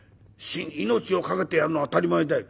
命を懸けてやるのは当たり前だよ。